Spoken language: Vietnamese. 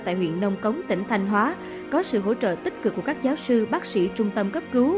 tại huyện nông cống tỉnh thanh hóa có sự hỗ trợ tích cực của các giáo sư bác sĩ trung tâm cấp cứu